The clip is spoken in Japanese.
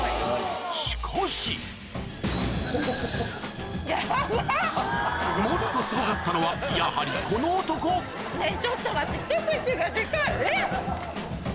しかしもっとすごかったのはやはりこの男えっちょっと待って。